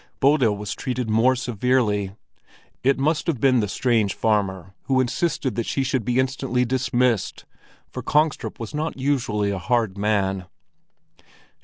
Bodil was treated more severely. It must have been the strange farmer who required that she should be instantly dismissed, for Kongstrup was not usually a hard man.